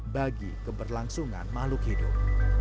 bagi keberlangsungan makhluk hidup